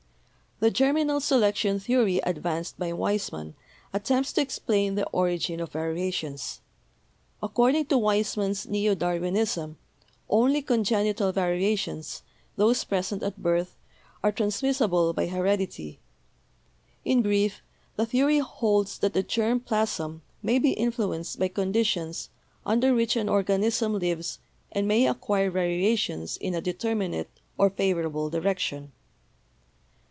The Germinal Selection Theory advanced by Weis mann attempts to explain the origin of variations. Ac cording to Weismann's neo Darwinism, only congenital variations, those present at birth, are transmissible by heredity. In brief, the theory holds that the germ plasm may be influenced by conditions under which an organism lives and may 'acquire' variations in a determinate or favorable direction.